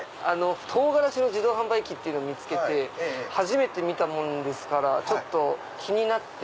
唐辛子の自動販売機を見つけて初めて見たものですからちょっと気になって。